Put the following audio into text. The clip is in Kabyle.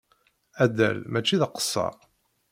Addal mačči d aqesser.